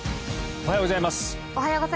おはようございます。